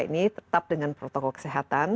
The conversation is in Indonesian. ini tetap dengan protokol kesehatan